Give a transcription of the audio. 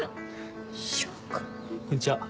こんちは。